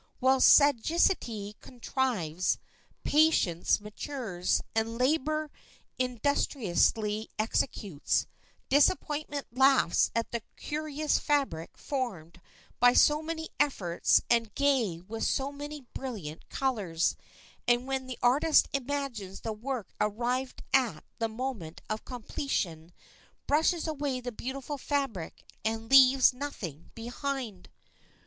While sagacity contrives, patience matures, and labor industriously executes, disappointment laughs at the curious fabric formed by so many efforts and gay with so many brilliant colors, and when the artist imagines the work arrived at the moment of completion, brushes away the beautiful fabric, and leaves nothing behind.